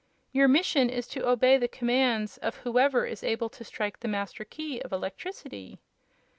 "Your mission is to obey the commands of whoever is able to strike the Master Key of Electricity."